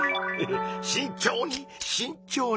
しんちょうにしんちょうに。